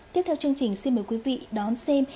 tiếp theo chương trình xin mời quý vị đón xem